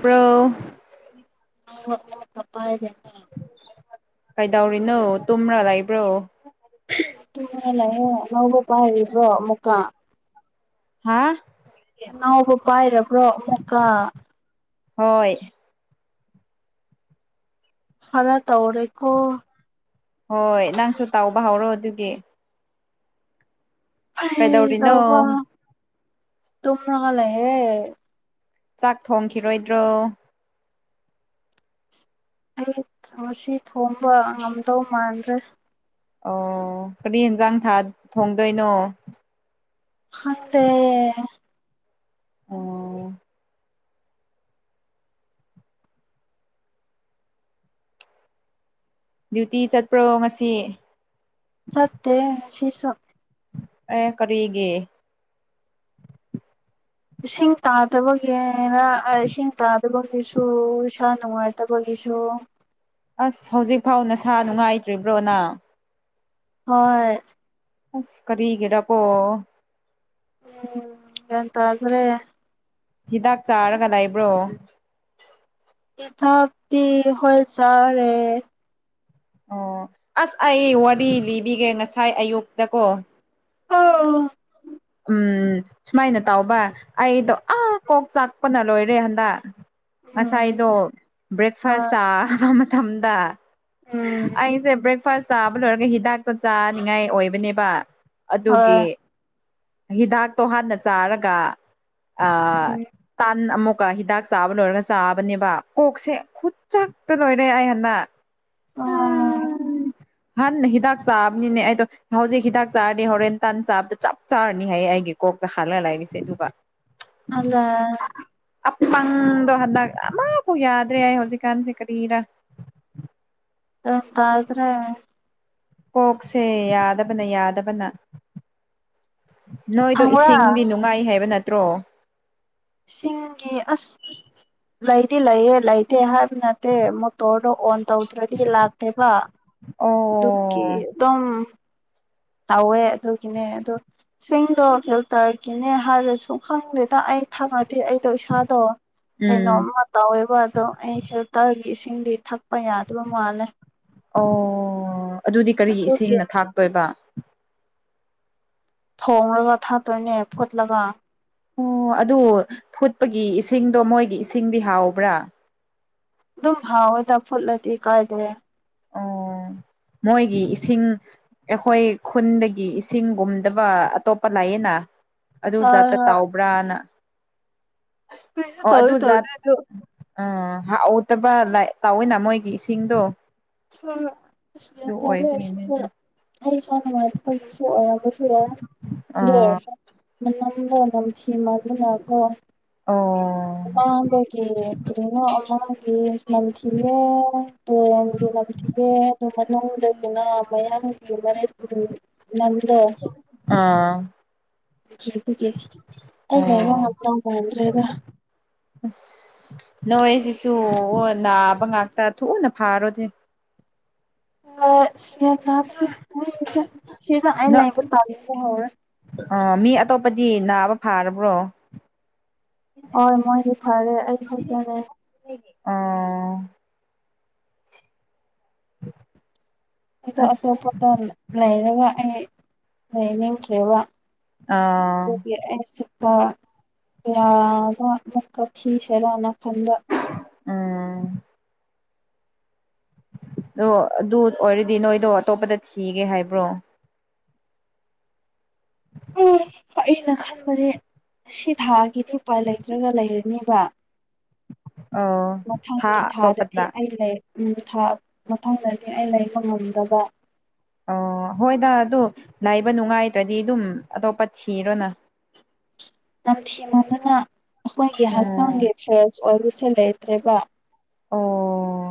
pro ꯑꯣ ꯍ ꯑꯣ ꯈꯄꯥꯏꯗ [unintelligible] ꯀꯩꯗꯧꯔꯤꯅꯣ ꯇꯨꯝꯔꯥ ꯂꯩꯕ꯭ꯔꯣ ꯨꯇꯨꯝꯔꯒ ꯂꯩꯑꯦ ꯑꯉꯧꯕ ꯄꯥꯏꯔꯤꯕ꯭ꯔꯣ ꯑꯃꯨꯀ ꯍꯥꯥ ꯑꯅꯥꯎꯕ ꯄꯥꯏꯔꯕ꯭ꯔꯣ ꯑꯃꯨꯛꯀ ꯍꯣꯏ ꯈꯔꯥ ꯇꯧꯔꯦꯀꯣ ꯍꯣꯏ ꯅꯪꯁꯨ ꯇꯥꯎꯕ ꯍꯧꯔꯣ ꯑꯗꯨꯒꯤ ꯑꯩ ꯀꯩꯗꯧꯔꯤꯅꯣ ꯇꯧꯕ ꯇꯨꯝꯔꯒ ꯂꯩꯔꯦ ꯆꯥꯛ ꯊꯣꯡꯈꯤꯔꯣꯏꯗ꯭ꯔꯣ ꯑꯩ ꯉꯁꯤ ꯊꯣꯡꯕ ꯉꯝꯗꯧ ꯃꯥꯟꯗ꯭ꯔꯦ ꯑꯣ ꯀꯔꯤ ꯍꯦꯟꯖꯥꯡ ꯊꯥ ꯊꯣꯡꯗꯣꯏꯅꯣ ꯈꯟꯗꯦ ꯑꯣ ꯗ꯭ꯌꯨꯇꯤ ꯆꯠꯄ꯭ꯔꯣ ꯉꯁꯤ ꯐꯠꯇꯦ ꯁꯤꯁꯨ ꯑꯦ ꯀꯔꯤꯒꯤ ꯏꯁꯤꯡ ꯇꯥꯗꯕꯒꯤꯅ ꯑꯥ ꯏꯁꯤꯡ ꯇꯥ [unintelligible] ꯁꯨꯨ ꯏꯁꯥ ꯅꯨꯡꯉꯥꯏꯇꯕꯒꯤꯁꯨ ꯑꯁ ꯍꯧꯖꯤꯛ ꯐꯥꯎ ꯅꯁꯥ ꯅꯨꯡꯉꯥꯏꯇ꯭ꯔꯤꯕ꯭ꯔꯣ ꯅꯥ ꯍꯣꯏ ꯑ꯭ꯁ ꯀꯔꯤꯒꯤꯔꯀꯣ ꯎꯝ ꯒ꯭ꯌꯥꯟ ꯇꯥꯗ꯭ꯔꯦ ꯍꯤꯗꯥꯛ ꯆꯥꯔꯒ ꯂꯩꯕ꯭ꯔꯣ ꯍꯤꯗꯥꯛꯇꯤ ꯍꯣꯏ ꯆꯥꯔ ꯂꯩꯌꯦ ꯑꯣ ꯑ꯭ꯁ ꯑꯩ ꯋꯥꯔꯤ ꯂꯤꯕꯤꯒꯦ ꯉꯁꯥꯏ ꯑꯌꯨꯛꯇ ꯀꯣ ꯍꯥ ꯎꯝ ꯁꯨꯃꯥꯏꯅ ꯇꯧꯏ ꯑꯩꯗꯣ ꯑꯥ ꯀꯣꯛ ꯆꯥꯛꯄꯅ ꯂꯣꯏꯔꯦ ꯍꯟꯗꯛ ꯉꯁꯥꯏꯗꯣ ꯕ꯭ꯔꯦꯛꯐꯥꯁ ꯆꯥꯕ ꯃꯇꯝꯗ ꯑꯩꯁꯦ ꯕ꯭ꯔꯦꯛꯐꯥꯁ ꯆꯥꯕ ꯂꯣꯏꯔꯒ ꯍꯤꯗꯥꯛꯇꯣ ꯆꯥꯅꯤꯡꯉꯥꯏ ꯑꯣꯏꯕꯅꯦꯕ ꯑꯗꯨꯒꯤ ꯍꯤꯗꯥꯛꯇꯣ ꯍꯥꯟꯅ ꯆꯥꯔꯒ ꯑꯥ ꯇꯥꯟ ꯑꯃꯨꯛ ꯀ ꯍꯤꯗꯥꯛ ꯆꯥꯕ ꯂꯣꯏꯔꯒ ꯆꯥꯕꯅꯦꯕ ꯀꯣꯛꯁꯦ ꯈꯨꯠꯆꯥꯛꯇꯣ ꯂꯣꯏꯔꯦ ꯑꯩ ꯍꯟꯗꯛ ꯑꯣ ꯍꯥꯟꯅ ꯍꯤꯗꯥꯛ ꯆꯥꯕꯅꯤꯅꯦ ꯑꯩꯗꯣ ꯍꯧꯖꯤꯛ ꯍꯤꯗꯥꯛ ꯆꯥꯔꯗꯤ ꯍꯣꯔꯦꯟ ꯇꯟ ꯆꯥꯕꯗ ꯆꯞ ꯆꯥꯔꯅꯤ ꯍꯥꯏꯌꯦ ꯑꯩꯒꯤꯀ ꯀꯣꯛꯇ ꯍꯥꯜꯂ ꯂꯩꯥꯔꯤꯁꯦ ꯑꯗꯨꯒ [unintelligible] ꯑꯄꯪꯗꯣ ꯍꯟꯗꯛ ꯑꯃꯐꯥꯎ ꯌꯥꯗ꯭ꯔꯦ ꯑꯩ ꯍꯧꯖꯤꯛꯀꯥꯟꯁꯦ ꯀꯔꯤꯔ ꯑꯦ ꯇꯥꯗ꯭ꯔꯦ ꯀꯣꯛꯁꯦ ꯌꯥꯗꯕꯅ ꯌꯥꯗꯕꯅ ꯅꯣꯏꯗꯣ ꯈꯪꯕ꯭ꯔꯥ ꯏꯁꯤꯡꯗꯤ ꯅꯨꯡꯉꯥꯏ ꯍꯥꯏꯕ ꯅꯠꯇ꯭ꯔꯣ ꯁꯤꯡꯒꯤ ꯑ꯭ꯁ ꯂꯩꯗꯤ ꯂꯩꯌꯦ ꯂꯩꯇꯦ ꯍꯥꯏ ꯑꯗꯨ ꯅꯠꯇꯦ ꯃꯣꯇꯣꯔꯗꯣ ꯑꯣꯟ ꯇꯧꯗ꯭ꯔꯗꯤ ꯂꯥꯛꯇꯦꯕ ꯑꯣ ꯗꯨꯀꯤꯗꯨꯝ ꯇꯧꯋꯦ ꯑꯗꯨꯒꯤꯅꯦ ꯑꯗꯣ ꯁꯤꯡꯗꯣ ꯐꯤꯜꯇ꯭ꯔ ꯒꯤꯅꯦ ꯍꯥꯏꯔꯁꯨ ꯈꯪꯗꯦꯗ ꯑꯩ [unintelligible] ꯑꯩꯗꯣ ꯏꯁꯥꯗꯣ ꯎꯝ ꯀꯩꯅꯣꯝꯃ ꯇꯧꯋꯦꯕ ꯑꯗꯣ ꯑꯩ ꯐꯤꯜꯇ꯭ꯔꯒꯤ ꯏꯁꯤꯡꯗꯤ ꯊꯛꯄ ꯌꯥꯗꯕ ꯃꯥꯜꯂꯦ ꯑꯣ ꯑꯗꯨꯗꯤ ꯀꯔꯤꯒꯤ ꯑꯗꯨꯒꯤ ꯏꯁꯤꯡꯅ ꯊꯥꯛꯇꯣꯏꯕ ꯊꯣꯡꯔꯒ ꯊꯛꯇꯣꯏꯅꯦ ꯐꯨꯠꯂꯒ ꯑꯣ ꯑꯗꯨ ꯐꯨꯠꯄꯒꯤ ꯏꯁꯤꯡꯗꯣ ꯃꯣꯏꯒꯤ ꯏꯁꯤꯡꯗꯤ ꯍꯥꯎꯕ꯭ꯔꯥ ꯗꯨꯝ ꯍꯥꯎꯋꯦꯗ ꯐꯨꯠꯂꯗꯤ ꯀꯥꯏꯗꯦ ꯎꯝ ꯃꯣꯏꯒꯤ ꯏꯁꯤꯡ ꯑꯦꯈꯣꯏ ꯈꯨꯟꯗꯒꯤ ꯏꯁꯤꯡꯒꯨꯝꯗꯕ ꯑꯇꯣꯞꯄ ꯂꯩꯌꯦꯅ ꯑꯗꯨ ꯍꯣꯏ ꯖꯥꯠꯇ ꯍꯣꯏ ꯇꯥꯎꯕ꯭ꯔꯥꯅ [unintelligible] ꯇꯧꯗꯤ ꯇꯧꯗꯦ ꯑꯗꯨ ꯑꯥ ꯍꯥꯎꯇꯕ ꯂꯥꯛ ꯇꯧꯋꯦꯅ ꯃꯣꯏꯒꯤ ꯏꯁꯤꯡꯗꯣ ꯑ ꯑꯁ ꯒ꯭ꯌꯥꯟ ꯑꯗꯨ ꯇꯥꯗꯦ ꯑꯣꯏꯕꯒꯤꯅꯦꯗ [unintelligible] ꯑꯩ ꯏꯁꯥ ꯅꯨꯡꯉꯥꯏꯇꯕꯩ ꯒꯤꯁꯨ ꯑꯣꯏꯔꯝꯕꯁꯨ ꯌꯥꯏ ꯑꯗꯨ ꯑꯥ ꯑꯣꯏꯔꯁꯨ [unintelligible] [unintelligible] ꯅ ꯅꯝꯊꯤ ꯃꯟꯕꯅꯀꯣ ꯑꯣ [unintelligible] ꯗꯒꯤ ꯀꯔꯤꯅꯣ ꯑꯃꯒꯤ ꯅꯝꯊꯤꯌꯦꯅ ꯇꯨꯔꯦꯟꯒꯤ ꯅꯝꯊꯤꯌꯦ ꯗꯨ [unintelligible] ꯅꯨꯡꯗꯒꯤꯅ ꯃꯌꯥꯥꯝ [unintelligible] ꯑꯥ [unintelligible] ꯑꯩ ꯂꯩꯕ ꯑꯣ ꯉꯝꯗꯧ ꯃꯥꯟꯗ꯭ꯔꯦ ꯅꯣꯏ ꯖꯤꯁꯨ ꯅꯥꯕ ꯉꯥꯛꯇ ꯊꯨꯅ ꯐꯥꯔꯣꯖꯦ ꯑꯁ ꯒ꯭ꯌꯥꯟ ꯇꯥꯗ꯭ꯔꯦ ꯅꯣꯏꯅꯤꯁꯧ ꯁꯤꯗ ꯂꯩꯕ ꯇꯟꯕ ꯍꯧꯔꯦ ꯑ ꯃꯤ ꯑꯇꯣꯞꯄꯗꯤ ꯅꯥꯕ ꯐꯥꯔꯕ꯭ꯔꯣ ꯍꯣꯏ ꯃꯣꯏꯗꯤ ꯐꯔꯦ ꯑꯩ ꯈꯛꯇꯅꯦ ꯑꯣ [inaudible] ꯑꯗꯣ ꯑꯁ ꯑꯇꯣꯞꯄꯗ ꯂꯩꯔꯒ ꯑꯩ ꯂꯩꯅꯤꯡꯈ꯭ꯔꯤꯕ ꯑꯥ ꯗꯨꯒꯤ ꯑꯩꯁꯨ [unintelligible] ꯌꯥꯕ ꯑꯃꯨꯛꯀ ꯊꯤꯁꯤꯔꯥꯅ ꯈꯟꯕ ꯎꯝ ꯗꯣ ꯑꯗꯨ ꯑꯣꯏꯔꯗꯤ ꯅꯣꯏꯗꯣ ꯑꯇꯣꯞꯄꯗ ꯊꯤꯒꯦ ꯍꯥꯏꯕ꯭ꯔꯣ [inaudible] ꯑꯩꯅ ꯈꯟꯕꯗꯤ ꯁꯤ ꯊꯥꯒꯤꯗꯤ ꯎꯄꯥꯏ ꯂꯩꯇ꯭ꯔꯒ ꯂꯩꯔꯅꯤꯕ ꯑꯣ ꯃꯊꯪꯒꯤ ꯊꯥ ꯊꯥꯗꯗꯤ ꯑꯇꯣꯞꯄꯗ ꯑꯩ ꯂꯩ ꯎꯝ ꯊꯥ ꯃꯊꯪꯗꯗꯤ ꯑꯩ ꯂꯩꯕ ꯉꯝꯗꯕ ꯑꯣ ꯍꯣꯏꯗ ꯑꯗꯨ ꯂꯥꯏꯕ ꯅꯨꯡꯉꯥꯏꯇ꯭ꯔꯗꯤ ꯑꯗꯨꯝ ꯑꯇꯣꯞꯄ ꯊꯤꯔꯣꯅ [inaudible] ꯅꯝꯊꯤꯃꯟꯗꯅ ꯑꯩꯈꯣꯏꯒꯤ ꯎꯝ ꯍꯛꯆꯥꯡꯒꯤ ꯐ꯭ꯔꯦꯁ ꯑꯣꯏꯕꯁꯦ ꯂꯩꯇ꯭ꯔꯦꯕ ꯑꯣ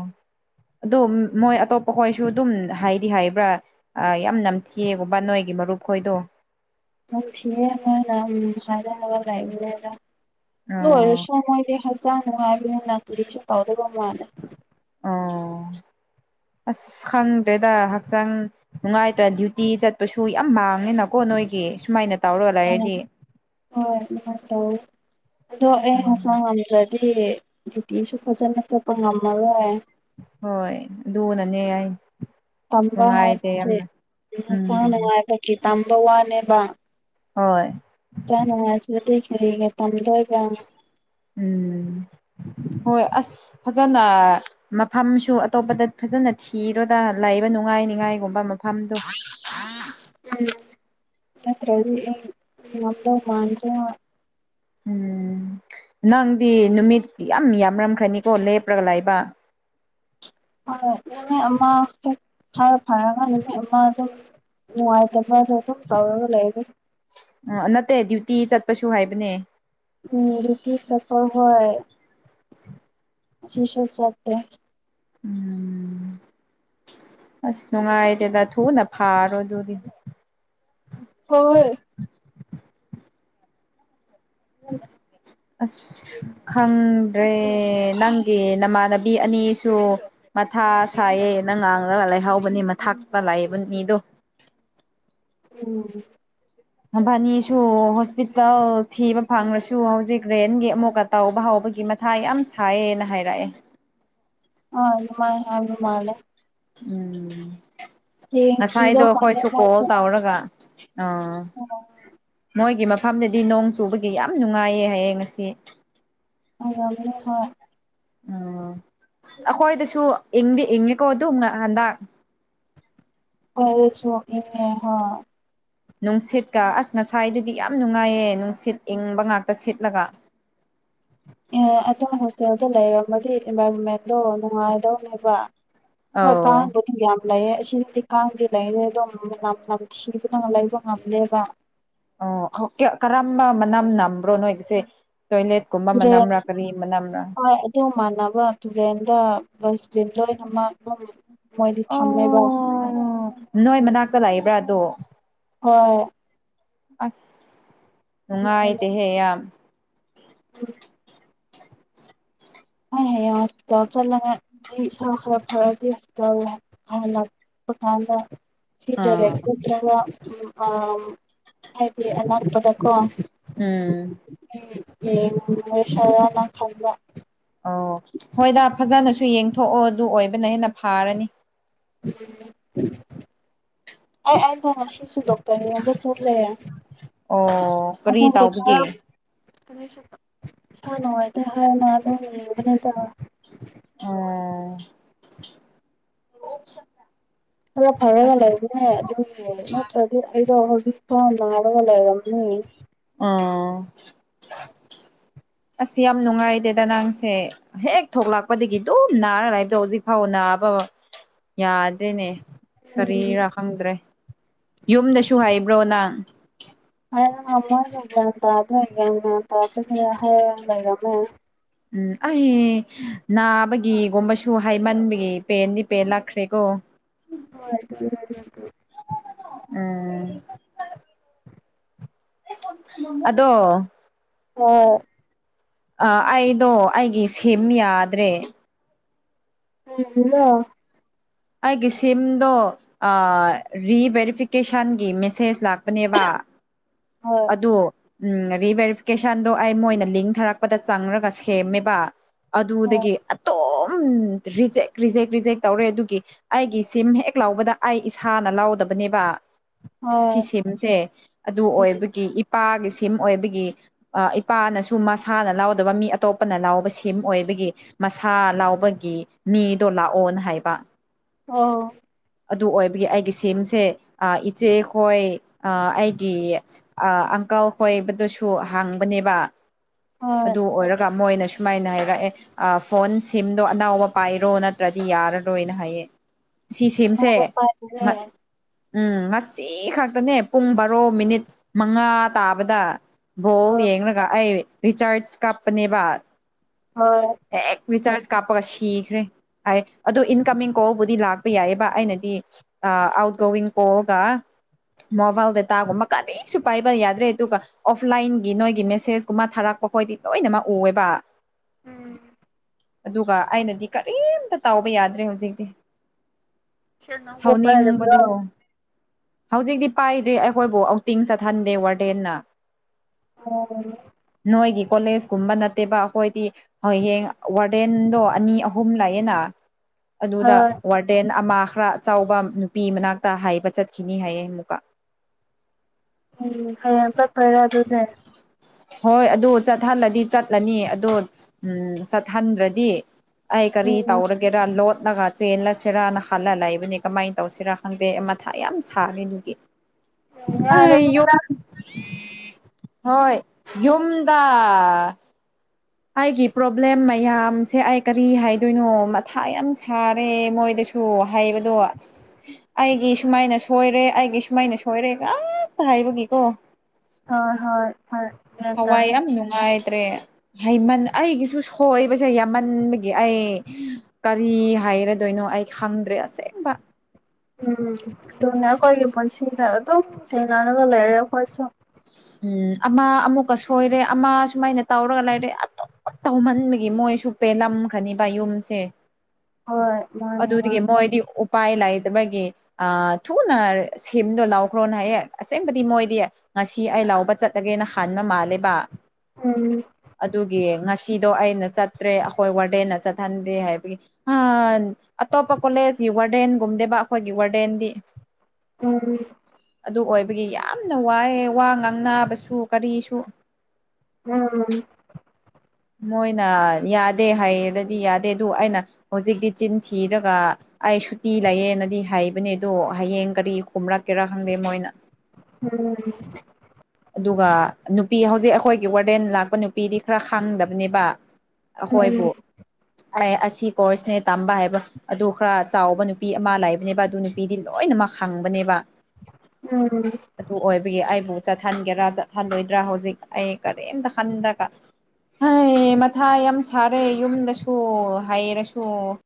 ꯑꯗꯨ ꯃꯣꯏ ꯑꯇꯣꯞꯄ ꯈꯣꯏꯁꯨ ꯑꯗꯨꯝ ꯍꯥꯏꯗꯤ ꯍꯥꯏꯕ꯭ꯔ ꯌꯥꯝ ꯅꯝꯊꯤꯑꯦꯒꯨꯝꯕ ꯅꯣꯏꯒꯤ ꯃꯔꯨꯞ ꯈꯣꯏꯗꯣ ꯅꯝꯊꯤꯑꯦ ꯃꯣꯏꯅ ꯍꯥꯏꯔ ꯍꯥꯏꯔ ꯂꯩꯕꯅꯦꯗ ꯑꯣ ꯑꯗꯨꯑꯣꯏꯔꯁꯨ ꯃꯣꯏꯗꯤ ꯍꯛꯆꯥꯡ ꯅꯨꯉꯥꯏꯕꯅꯤꯅ ꯀꯔꯤꯁꯨ ꯇꯧꯗꯕ ꯃꯥꯜꯂꯦ ꯑꯣ ꯑꯁ ꯈꯪꯗ꯭ꯔꯦꯗ ꯍꯛꯆꯥꯡ ꯅꯨꯡꯉꯥꯏꯇ꯭ꯔ ꯗ꯭ꯌꯨꯇꯤ ꯆꯠꯄꯁꯨ ꯌꯥꯝ ꯃꯥꯡꯉꯦꯅꯀꯣ ꯅꯣꯏꯒꯤ ꯑꯦ ꯁꯨꯃꯥꯏꯅ ꯇꯧꯔꯒ ꯂꯩꯔꯗꯤ [unintelligible] ꯍꯣꯏ ꯑꯗꯨꯃꯥꯏ ꯇꯧꯋꯦ ꯑꯗꯣ ꯑꯩ ꯍꯛꯆꯥꯡ ꯃꯝꯗ꯭ꯔꯗꯤ ꯗ꯭ꯌꯨꯇꯤꯖꯨ ꯐꯖꯅ ꯆꯠꯄ ꯉꯝꯃꯔꯣꯏ ꯍꯣꯏ ꯑꯗꯨꯅꯅꯦ ꯑꯩ ꯇꯝꯕ ꯅꯨꯡꯉꯥꯏꯇꯦ ꯍꯥꯏꯕꯁꯦ ꯌꯥꯝꯅ ꯍꯛꯆꯥꯡ ꯎꯝ ꯅꯨꯡꯉꯥꯏꯕꯒꯤ ꯇꯝꯕ ꯋꯥꯅꯦꯕ ꯍꯣꯏ ꯍꯛꯆꯥꯡ ꯅꯨꯉꯥꯏꯇ꯭ꯔꯗꯤ ꯀꯔꯤꯒꯤ ꯇꯝꯗꯣꯏ ꯎꯝ ꯍꯣꯏ ꯑꯁ ꯐꯖꯅ ꯃꯐꯝꯁꯨ ꯑꯇꯣꯞꯄꯗ ꯐꯖꯅ ꯊꯤꯔꯣꯗ ꯂꯩꯕ ꯅꯨꯡꯉꯥꯏꯅꯤꯉꯥꯏ ꯀꯩꯒꯨꯝꯕ ꯃꯐꯝꯗꯣ ꯑꯝ ꯅꯠꯇ꯭ꯔꯗꯤ ꯑꯩ ꯉꯝꯗꯧ ꯃꯥꯟꯗ꯭ꯔꯦꯕ ꯎꯝ ꯅꯪꯗꯤ ꯅꯨꯃꯤꯠ ꯌꯥꯝ ꯌꯥꯝꯔꯝꯈ꯭ꯔꯅꯤꯀꯣ ꯂꯦꯞꯔꯒ ꯂꯩꯕ ꯍꯣꯢ ꯅꯨꯃꯤꯠ ꯑꯃ ꯍꯦꯛ ꯈꯔ ꯐꯔꯒ ꯅꯨꯃꯤꯠ ꯑꯃ ꯑꯗꯨꯝ ꯅꯨꯉꯥꯢꯇ ꯃꯥꯁꯨ ꯑꯗꯨꯝ ꯇꯧꯔꯒ ꯂꯩꯔꯦ ꯇꯤ ꯆꯠꯄꯁꯨ ꯍꯥꯏꯕꯅꯦ ꯑꯝ ꯗꯨꯇꯤ ꯆꯠꯄꯍꯣꯢ ꯉꯁꯤꯁꯨ ꯆꯠꯇꯦ ꯎꯝ ꯑꯁ ꯅꯨꯡꯉꯥꯏꯗꯦꯗ ꯊꯨꯅ ꯐꯥꯔꯣ ꯑꯗꯨꯗꯤ ꯍꯣꯏ ꯍꯣꯏ ꯑꯁ ꯈꯪꯗ꯭ꯔꯦ ꯅꯪꯒꯤ ꯅꯃꯥꯟꯅꯕꯤ ꯄꯤ ꯑꯅꯤꯁꯨ ꯃꯊꯥ ꯁꯥꯏꯌꯦꯅ ꯉꯥꯡꯂꯒ ꯂꯩꯥꯍꯥꯎꯕꯅꯦ ꯃꯊꯥꯛꯇ ꯂꯩꯕ ꯑꯅꯤꯗꯣ [inaudible] ꯎꯝ ꯃꯕꯥꯅꯤꯁꯨ ꯍꯣꯁꯄꯤꯇꯥꯜ ꯊꯤꯕ ꯐꯪꯉꯁꯨ ꯍꯧꯖꯤꯛ ꯔꯦꯟꯒꯤ ꯑꯃꯨꯛꯀ ꯇꯥꯎꯕ ꯍꯥꯎ ꯑꯗꯨꯒꯤ ꯃꯊꯥ ꯌꯥꯝ ꯁꯥꯏꯌꯦꯅ ꯍꯥꯏꯔꯛꯑꯦ ꯑ ꯑꯗꯨ ꯃꯥꯏ ꯍꯥꯏꯕ ꯃꯥꯜꯂꯦ ꯎꯝ ꯍꯌꯦꯡ ꯉꯁꯥꯏꯗꯣ ꯊꯤꯗꯧ ꯃꯥꯜꯂꯦ ꯑꯩꯈꯣꯏꯁꯨ ꯀꯣꯜ ꯃꯣꯏꯁꯨ ꯇꯧꯔꯒ ꯑ ꯃꯣꯏꯒꯤ ꯃ ꯏꯝꯐꯥꯟꯗꯗꯤ ꯅꯣꯡ ꯆꯨꯕꯒꯤ ꯌꯥꯝ ꯅꯨꯡꯉꯥꯏꯌꯦ ꯍꯌꯦꯡ ꯉꯁꯤ ꯑꯏꯔꯝꯃꯅꯤ ꯍ [unintelligible] ꯑ ꯑꯩꯈꯣꯏꯗꯁꯨ ꯏꯪꯗꯤ ꯏꯪꯉꯦꯀꯣ ꯑꯗꯨꯅ ꯍꯟꯗꯛ [inaudible] ꯅꯨꯡꯁꯤꯠꯀ ꯑꯁ ꯉꯁꯥꯏꯗꯨꯗꯤ ꯌꯥꯝ ꯅꯨꯡꯉꯥꯏꯌꯦ ꯅꯨꯡꯁꯤꯠ ꯏꯪꯕ ꯉꯥꯛꯇ ꯁꯤꯠꯂꯒ [inaudible] ꯑꯗꯣꯝ ꯍꯣꯁꯇꯦꯜꯗ ꯂꯩꯔꯝꯃꯗꯤ ꯏꯟꯚꯥꯏꯔꯣꯟꯃꯦꯟꯗꯣ ꯅꯨꯡꯉꯥꯏꯔ ꯂꯩꯕ ꯍꯣꯏ ꯑꯧ ꯀꯥꯡꯕꯨꯗꯤ ꯌꯝ ꯂꯩꯌꯦ [inaudible] ꯂꯩꯌꯥ ꯑꯗ ꯅꯝꯊꯤꯕꯅ ꯂꯩꯕ ꯉꯝꯗꯥꯕ ꯑꯣ ꯀꯔꯝꯕ ꯃꯅꯝ ꯅꯝꯕ꯭ꯔꯣ ꯅꯣꯏꯒꯤꯁꯦ ꯇꯣꯏꯂꯦꯠꯀꯨꯝꯕ ꯇꯨꯔꯦꯟ ꯃꯅꯝꯔꯥ ꯀꯔꯤ ꯃꯅꯝꯔꯥ ꯍꯣꯏ ꯑꯗꯨ ꯃꯥꯟꯅꯕ ꯇꯨꯔꯦꯟꯗ ꯗꯁꯄꯤꯟ ꯂꯥꯏꯅꯃꯛ ꯑꯗꯨꯝ ꯃꯣꯏꯗꯤ ꯊꯝꯃꯦꯕꯥ ꯑꯣ ꯅꯣꯏ ꯃꯅꯥꯛꯇ ꯂꯩꯕ꯭ꯔꯥ ꯑꯗꯣ ꯍꯣꯏ ꯑꯁ ꯅꯨꯡꯉꯥꯏꯇꯍꯦ ꯌꯥꯝ ꯎ [inaudible] [inaudible] ꯄꯀꯥꯟꯗ ꯑꯥ [inaudible] ꯍꯥꯏꯗꯤ ꯑꯅꯛꯄꯗꯀ ꯎꯝ ꯌꯉꯨꯁꯤꯔꯅ ꯈꯟꯕ ꯑꯣ ꯍꯣꯏꯗ ꯐꯖꯅꯁꯨ ꯌꯦꯡꯊꯣꯛꯑꯣ ꯑꯗꯨ ꯑꯣꯏꯕꯅ ꯍꯦꯟꯅ ꯐꯥꯔꯅꯤ ꯑ ꯑꯗꯁꯤꯁꯨ ꯗꯣꯛꯇꯔ ꯌꯦꯡꯕꯒꯤ ꯆꯠꯂ ꯑꯣ ꯀꯔꯤ ꯑꯗꯨꯒꯤ ꯈꯔ ꯇꯥꯎꯕꯒꯦ [inaudible] ꯑꯣ ꯎꯝ ꯈꯔ ꯐꯔꯒ ꯂꯩꯕꯅꯦ ꯑꯗꯨ ꯅꯠꯇ꯭ꯔꯗꯤ ꯑꯩꯗꯣ ꯍꯧꯖꯤꯛꯇꯣ ꯅꯔꯒ ꯂꯩꯔꯕꯝ [inaudible] ꯑꯥ ꯑꯁ ꯌꯥꯝ ꯅꯨꯡꯉꯥꯏꯗꯦꯗ ꯅꯪꯁꯦ ꯍꯦꯛ ꯊꯣꯛꯂꯛꯄꯗꯒꯤ ꯑꯗꯨꯝ ꯅꯥꯔ ꯂꯕꯗꯣ ꯍꯧꯖꯤꯛ ꯐꯥꯎ ꯅꯥ ꯑꯕ ꯌꯥꯗ꯭ꯔꯦꯅꯦ ꯎꯝ ꯀꯔꯤꯔꯥ ꯈꯪꯗ꯭ꯔꯦ ꯌꯨꯝꯗꯁꯨ ꯍꯥꯏꯕ꯭ꯔꯣ ꯅꯪ [inaudible] ꯎꯝ ꯑꯩ ꯅꯥꯕꯒꯤꯒꯨꯝꯕꯁꯨ ꯍꯥꯏꯃꯟꯕꯒꯤ ꯄꯦꯟꯗꯤ ꯄꯦꯟ ꯂꯥꯛꯈ꯭ꯔꯦꯀꯣ [inaudible] ꯎꯝ ꯑꯗꯣ ꯍꯣꯏ ꯑ ꯑꯩꯗꯣ ꯑꯩꯒꯤ ꯁꯦꯝ ꯌꯥꯗ꯭ꯔꯦ [inaudible] ꯑꯩꯒꯤ ꯁꯤꯝꯗꯣ ꯔꯤꯚꯦꯔꯤꯐꯤꯀꯦꯁꯟꯒꯤ ꯃꯦꯁꯦꯖ ꯂꯥꯛꯄꯅꯦꯕ [inaudible] ꯑꯗꯣ ꯎꯝ ꯔꯤꯚꯦꯔꯤꯐꯤꯀꯦꯁꯟꯗꯣ ꯑꯩ ꯃꯣꯏꯅ ꯂꯤꯡꯊꯥꯔꯛꯄꯗ ꯆꯪꯔꯒ ꯁꯦꯝꯃꯦꯕ ꯑꯗꯨꯗꯒꯤ ꯑꯇꯣꯞ ꯔꯤꯖꯦꯛ ꯔꯤꯖꯦꯛ ꯔꯤꯖꯦꯛ ꯇꯧꯔꯦ ꯑꯗꯨꯒꯤ ꯑꯩꯒꯤ ꯁꯤꯝ ꯍꯦꯛ ꯂꯥꯎꯕꯗ ꯑꯩ ꯏꯁꯥꯅ ꯂꯥꯎꯗꯕ ꯅꯦꯕ ꯁꯤ ꯁꯤꯝꯁꯦ ꯑꯗꯨ ꯑꯣꯢꯕ ꯏꯄꯥꯒꯤ ꯁꯤꯝ ꯑꯣꯏꯕꯒꯤ ꯏꯄꯥꯅꯁꯨ ꯃꯁꯥꯅ ꯂꯎꯗꯕ ꯃꯤ ꯑꯇꯣꯞꯄꯅ ꯂꯥꯎꯕ ꯁꯤꯝ ꯑꯣꯏ ꯕꯒꯤ ꯃꯁꯥ ꯂꯥꯎꯕꯒꯤ ꯃꯤꯗꯣ ꯂꯥꯛꯑꯣꯅ ꯍꯥꯏꯕ ꯑꯣ ꯑꯗꯨ ꯑꯣꯏꯕꯒꯤ ꯑꯩꯒꯤ ꯁꯤꯝꯁꯦ ꯑꯥ ꯏꯆꯦ ꯈꯣꯏ ꯑꯥ ꯑꯩꯒꯤ ꯑꯥ ꯑꯪꯀꯜ ꯍꯣꯏꯕꯗꯨꯁꯨ ꯍꯥꯡꯕꯅꯦꯕ ꯑꯗꯨ ꯑꯣꯏꯔꯒ ꯃꯣꯏꯅꯁꯨ ꯁꯨꯃꯥꯏꯅ ꯍꯥꯏꯔꯛꯑꯦ ꯑ ꯐꯣꯟ ꯁꯤꯝꯗꯣ ꯑꯅꯥꯎꯕ ꯄꯥꯏꯔꯣ ꯅꯠꯇ꯭ꯔꯗꯤ ꯌꯥꯔꯔꯣꯏꯅ ꯍꯥꯏꯌꯦ ꯁꯤꯁꯦ [unintelligible] ꯎꯝ ꯉꯁꯤ ꯈꯛꯇꯅꯦ ꯄꯨꯡ ꯕꯥꯔꯣ ꯃꯤꯅꯤꯠ ꯃꯉꯥ ꯇꯥꯕꯗ ꯕꯣꯜ ꯌꯦꯡꯒ ꯑꯩ ꯔꯤꯆꯥꯔꯁ ꯀꯥꯞꯄꯅꯦꯕ ꯍꯦꯛ ꯔꯤꯆꯥꯔꯁ ꯀꯥꯞꯄꯒ ꯁꯤꯈ꯭ꯔꯦ ꯍꯥꯏ ꯑꯗꯨ ꯏꯟꯀꯃꯤꯡ ꯀꯣꯜꯕꯨꯗꯤ ꯂꯥꯛꯄ ꯌꯥꯏꯑꯕ ꯑꯩꯅꯗꯤ ꯑꯥ ꯑꯥꯎꯠ ꯒꯣꯋꯤꯡ ꯀꯣꯜꯒ ꯃꯣꯕꯥꯏꯜ ꯗꯇꯥꯒꯨꯝꯕ ꯀꯔꯤꯁꯨ ꯄꯥꯏꯕ ꯌꯥꯗ꯭ꯔꯦ ꯗꯨꯒ ꯑꯣꯐꯂꯥꯏꯟꯒꯤ ꯅꯣꯏꯒꯤ ꯃꯦꯁꯦꯁꯀꯨꯝꯕ ꯊꯥꯔꯛꯄ ꯈꯣꯏꯗꯤ ꯂꯣꯏꯅꯃꯛ ꯎꯑꯦꯕ ꯎꯝ ꯑꯗꯨꯒ ꯑꯩꯅꯗꯤ ꯀꯔꯤꯝꯇ ꯇꯥꯎꯕ ꯌꯥꯗ꯭ꯔꯦ ꯍꯧꯖꯤꯛꯇꯤ ꯁꯦꯜ ꯅꯪꯕꯨ ꯄꯥꯏꯔꯕ꯭ꯔꯣ ꯁꯥꯎꯅꯤꯡꯕꯗꯣ ꯍꯧꯖꯤꯛꯇꯤ ꯄꯥꯏꯗ꯭ꯔꯦ ꯑꯩꯈꯣꯏꯕꯨ ꯑꯥꯎꯇꯤꯡ ꯆꯠꯍꯟꯗꯦ ꯋꯥꯔꯗꯦꯟꯅ ꯑꯣ ꯀꯣꯂꯦꯖ ꯀꯨꯝꯕ ꯅꯠꯇꯦꯕ ꯑꯩꯈꯣꯏꯗꯤ ꯍꯌꯦꯡ ꯋꯥꯔꯗꯦꯟꯗꯣ ꯑꯅꯤ ꯑꯍꯨꯝ ꯂꯩꯑꯦꯅ ꯑꯗꯨꯗ ꯋꯥꯔꯗꯦꯟꯅ ꯑꯃꯥ ꯈꯔ ꯑꯆꯧꯕ ꯅꯨꯄꯤ ꯃꯅꯥꯛꯇ ꯍꯥꯏꯕ ꯆꯠꯈꯤꯅꯤ ꯍꯥꯏꯌꯦ ꯑꯃꯨꯛꯀ ꯎꯝ ꯍꯌꯦꯡ ꯆꯠꯇꯣꯏꯔꯦ ꯑꯗꯨꯅꯦ ꯍꯣꯏ ꯑꯗꯨ ꯆꯠꯍꯜꯂꯗꯤ ꯆꯠꯂꯅꯤ ꯑꯗꯨ ꯎꯝ ꯆꯠꯍꯟꯗ꯭ꯔꯗꯤ ꯑꯩ ꯀꯔꯤ ꯎꯝ ꯇꯧꯔꯒꯦꯔꯥ ꯂꯣꯠ ꯂꯒ ꯆꯦꯜꯂꯁꯤꯔꯅ ꯈꯜꯂ ꯂꯩꯏꯕꯅꯦ ꯀꯃꯥꯏꯅ ꯇꯧꯁꯤꯔꯥ ꯈꯪꯗꯦ ꯃꯊꯥ ꯌꯥꯝ ꯁꯥꯔꯦ ꯑꯗꯨꯒꯤ ꯑꯍꯩ ꯌꯨꯝ ꯌꯥꯔꯅꯤꯗ ꯍꯣꯏ ꯌꯨꯝꯗ ꯑꯩꯒꯤ ꯄ꯭ꯔꯣꯕ꯭ꯂꯦꯝ ꯃꯌꯥꯝꯁꯦ ꯑꯩ ꯀꯔꯤ ꯍꯥꯏꯗꯣꯏꯅꯣ ꯃꯊꯥ ꯌꯥꯝ ꯁꯥꯔꯦ ꯃꯣꯏꯗ ꯁꯨ ꯍꯥꯏꯕꯗꯣ ꯑꯁ ꯑꯩꯒꯤ ꯁꯨꯃꯥꯏꯅ ꯁꯣꯏꯔꯦ ꯑꯩꯒꯤ ꯁꯨꯃꯥꯏꯅ ꯁꯣꯏꯔꯦ ꯉꯥꯛꯇ ꯍꯥꯏꯕꯒꯤꯀꯣ ꯍꯣꯏ ꯍꯣꯏ ꯍꯣꯏ ꯒ꯭ꯌꯥꯟ ꯊꯋꯥꯏ ꯇꯥꯏ ꯌꯥꯝ ꯅꯨꯡꯉꯥꯏ ꯇꯔꯦ ꯍꯥꯢꯃꯟ ꯑꯩꯒꯤꯁꯨ ꯁꯣꯏꯕꯁꯦ ꯌꯥꯝꯃꯟꯕꯒꯤ ꯑꯩ ꯀꯔꯤ ꯍꯥꯏꯔꯗꯣꯏꯅꯣ ꯑꯩ ꯈꯪꯗ꯭ꯔꯦ ꯑꯁꯦꯡꯕ ꯎꯝ ꯑꯗꯨꯅꯦ ꯑꯩꯈꯣꯏꯒꯤ ꯄꯨꯁꯤꯗ ꯑꯗꯨꯝ ꯊꯦꯡꯅꯔꯒ ꯂꯩꯔꯦ ꯑꯈꯣꯏꯁꯨ ꯎꯝ ꯑꯃ ꯑꯃꯨꯛꯀ ꯁꯣꯏꯔꯦ ꯑꯃ ꯁꯨꯃꯥꯏꯅ ꯇꯧꯔꯒ ꯂꯩꯔꯦ ꯑꯗꯨ ꯇꯧꯃꯟꯕꯒꯤ ꯃꯣꯏꯁꯨ ꯄꯦꯜꯂꯝꯈ꯭ꯔꯅꯤꯕ ꯌꯨꯝꯁꯦ ꯍꯣꯏ ꯃꯥꯅꯦ ꯑꯗꯨꯗꯒꯤ ꯃꯥꯅꯦ ꯃꯣꯏꯗꯤ ꯎ ꯄꯥꯏ ꯂꯩꯇꯕꯒꯤ ꯊꯨꯅ ꯁꯤꯝꯗꯣ ꯂꯥꯎꯈ꯭ꯔꯣꯅ ꯍꯥꯏꯌꯦ ꯑꯁꯦꯡꯕꯗꯤ ꯃꯣꯏꯗꯤ ꯉ ꯁꯤ ꯑꯩ ꯂꯥꯎꯕ ꯆꯠꯂꯒꯦꯅ ꯈꯟꯕ ꯃꯥꯜꯂꯦꯕ ꯎꯝ ꯑꯗꯨꯒꯤ ꯉꯁꯤ ꯑꯗꯣ ꯑꯩꯅ ꯆꯠꯇ꯭ꯔꯦ ꯑꯩꯈꯣꯏ ꯋꯥꯔꯗꯦꯟꯅ ꯆꯠꯍꯟꯗꯦ ꯍꯥꯏꯕꯒꯤ ꯍꯥ ꯑꯇꯣꯞꯄ ꯀꯣꯂꯦꯖꯀꯤ ꯋꯥꯔꯗꯦꯟꯒꯨꯝꯗꯦꯕ ꯑꯩꯈꯣꯏꯒꯤ ꯋꯥꯔꯗꯦꯟꯗꯤ ꯎꯝ ꯑꯗꯨ ꯑꯣꯏꯕꯒꯤ ꯌꯥꯝꯅ ꯋꯥꯏꯑꯦ ꯋꯥ ꯉꯥꯡꯅꯕꯁꯨ ꯀꯔꯤꯁꯨ ꯎꯝ ꯃꯣꯏꯅ ꯌꯥꯗꯦ ꯍꯥꯏꯔꯗꯤ ꯌꯥꯗꯦ ꯑꯗꯨ ꯑꯩꯅ ꯍꯧꯖꯤꯛꯇꯤ ꯆꯤꯟ ꯊꯤꯔꯒ ꯑꯩ ꯁꯨꯇꯤ ꯂꯩꯌꯦꯅꯗꯤ ꯍꯥꯏꯕꯅꯦ ꯑꯗꯣ ꯍꯌꯦꯡ ꯀꯔꯤ ꯀꯨꯝꯂꯛꯀꯦꯔꯥ ꯈꯪꯗꯦ ꯃꯣꯏꯅ ꯑꯗꯨꯒ ꯑꯗꯨ ꯅꯨꯄꯤ ꯍꯧꯖꯤꯛ ꯑꯩꯈꯣꯏꯒꯤ ꯋꯥꯋꯔꯗꯦꯟ ꯂꯥꯛꯄ ꯅꯨꯄꯤꯗꯤ ꯈꯔ ꯈꯥꯡꯗꯕꯅꯦꯕ ꯎꯝ ꯑꯈꯣꯏꯕꯨ ꯑꯦ ꯑꯁꯤ ꯀꯣꯔꯁꯅꯦ ꯇꯝꯕ ꯍꯩꯕ ꯑꯗꯨ ꯈꯔ ꯆꯥꯎꯕ ꯅꯨꯄꯤ ꯑꯃ ꯂꯩꯕꯅꯦꯕ ꯑꯗꯨ ꯅꯨꯄꯤꯗꯤ ꯂꯣꯏꯅꯃꯛ ꯍꯪꯕꯅꯦꯕ ꯎꯝ ꯎꯝ ꯑꯗꯨ ꯑꯣꯏꯕꯒꯤ ꯑꯩꯕꯨ ꯆꯠꯍꯟꯒꯦꯔꯥ ꯆꯠꯍꯟꯂꯣꯏꯗ꯭ꯔꯥ ꯍꯧꯖꯤꯛ ꯑꯩ ꯀꯔꯤꯝꯇ ꯈꯟꯗꯒ ꯍꯩ ꯃꯊꯥ ꯌꯥꯝ ꯁꯥꯔꯦ ꯌꯨꯝꯗꯁꯨ ꯍꯥꯏꯔꯁꯨ